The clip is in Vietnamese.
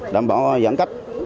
đảm bảo giãn cách